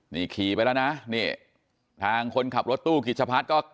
นี่ขี่ไปแล้วนะนี่ทางคนขับรถตู้กิจชะพัฒน์ก็